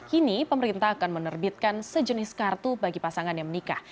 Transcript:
kini pemerintah akan menerbitkan sejenis kartu bagi pasangan yang menikah